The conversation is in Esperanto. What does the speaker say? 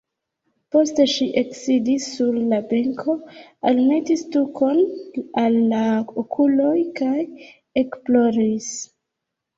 Poste ŝi eksidis sur la benko, almetis tukon al la okuloj kaj ekploris.